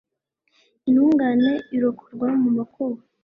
intungane irokorwa mu makuba